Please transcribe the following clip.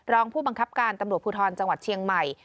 รองผู้บังคับการตำรวจภูทรจังหวัดเชียงใหม่